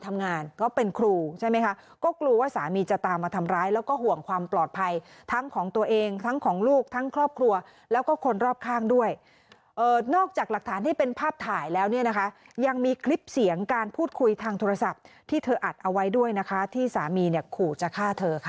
เธอนอกจากหลักฐานที่เป็นภาพถ่ายแล้วเนี่ยนะคะยังมีคลิปเสียงการพูดคุยทางโทรศัพท์ที่เธออัดเอาไว้ด้วยนะคะที่สามีเนี่ยขู่จะฆ่าเธอค่ะ